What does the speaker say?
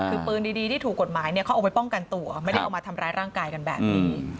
คือปืนดีที่ถูกกฎหมายเขาเอาไว้ป้องกันตัวไม่ได้เอามาทำร้ายร่างกายกันแบบนี้